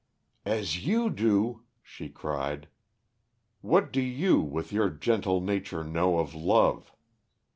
"As you do?" she cried. "What do you with your gentle nature know of love?